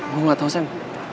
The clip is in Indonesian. gue gak tau sen